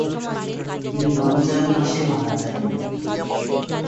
তিনি রমজান মাসে মারা যাবেন।